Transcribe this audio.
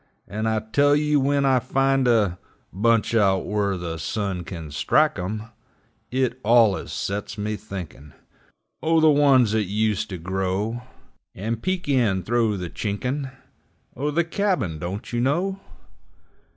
And I tell you, when I find a Bunch out whur the sun kin strike 'em, It allus sets me thinkin' O' the ones 'at used to grow And peek in thro' the chinkin' O' the cabin, don't you know!